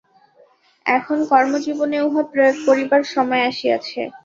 এখন কর্মজীবনে উহা প্রয়োগ করিবার সময় আসিয়াছে।